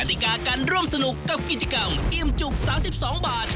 ติกาการร่วมสนุกกับกิจกรรมอิ่มจุก๓๒บาท